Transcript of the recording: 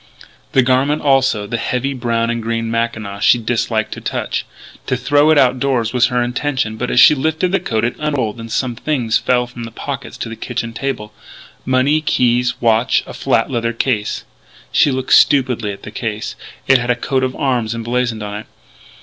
The garment, also the heavy brown and green mackinaw she disliked to touch. To throw it out doors was her intention; but, as she lifted the coat, it unrolled and some things fell from the pockets to the kitchen table, money, keys, a watch, a flat leather case She looked stupidly at the case. It had a coat of arms emblazoned on it.